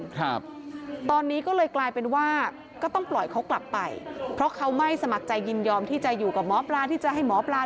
ครับตอนนี้ก็เลยกลายเป็นว่าก็ต้องปล่อยเขากลับไปเพราะเขาไม่สมัครใจยินยอมที่จะอยู่กับหมอปลาที่จะให้หมอปลา